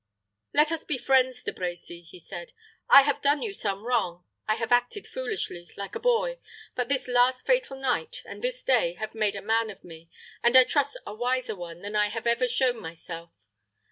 "Let us be friends, De Brecy," he said. "I have done you some wrong I have acted foolishly like a boy; but this last fatal night, and this day, have made a man of me, and I trust a wiser one than I have ever shown myself.